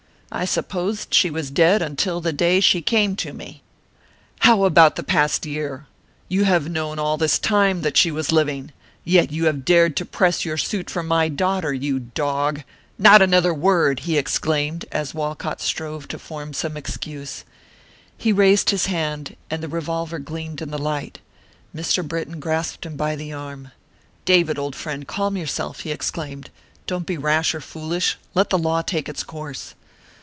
I supposed she was dead until the day she came to me." "How about the past year? You have known all this time that she was living, yet you have dared to press your suit for my daughter, you dog! Not another word!" he exclaimed, as Walcott strove to form some excuse. He raised his hand and the revolver gleamed in the light. Mr. Britton grasped him by the arm. "David, old friend, calm yourself!" he exclaimed. "Don't be rash or foolish; let the law take its course."